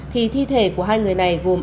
thì thi thể của hai người này gồm